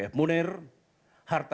dan juga dengan sby